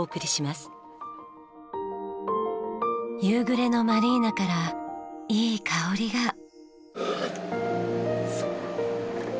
夕暮れのマリーナからいい香りが。